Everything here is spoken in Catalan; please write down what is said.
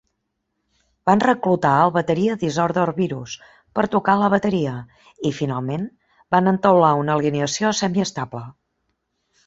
Van reclutar el bateria Disorder Virus per tocar la bateria i, finalment, van entaular una alineació semiestable.